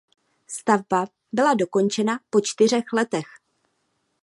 Stavba byla dokončena po čtyřech letech.